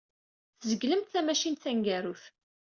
Tzeglemt tamacint taneggarut.